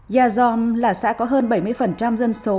yazirai là xã có hơn bảy mươi dân số